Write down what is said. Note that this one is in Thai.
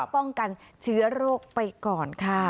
ป้องกันเชื้อโรคไปก่อนค่ะ